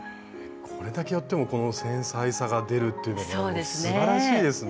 これだけ寄ってもこの繊細さが出るというのがもうすばらしいですね。